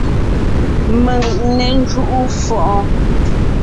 Mèŋ n né ńjúʼu fʉʼɔɔn!